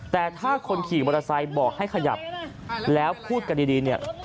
แต่ถ้าคนขี่มอเตอร์ไซค์บอกให้ขยับแล้วพูดกันดีเนี่ย